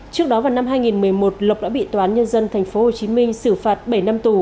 trước đó vào năm hai nghìn một mươi một lộc đã bị toán nhân dân tp hcm xử phạt bảy năm tù